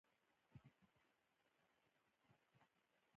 افغانستان د کابل د دغه سیند له امله مشهور دی.